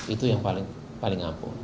itu yang paling ampuh